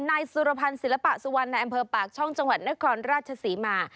นายสุรพันธ์ศิลปะสุวรรณในอำเภอปากช่องจังหวัดนครราชศรีมา